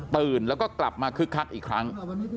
แล้วก็กลับมาคึกคักอีกครั้ง